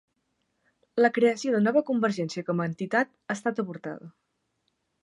La creació de Nova Convergència com a entitat ha estat avortada